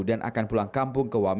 dan akan pulang kampung kewajiban